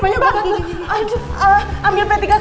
ambil pete kakak